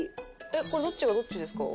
えっこれどっちがどっちですか？